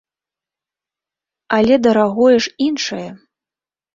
Але дарагое ж іншае.